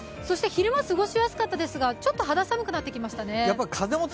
昼間過ごしやすかったですがちょっと肌寒くなってきましたね。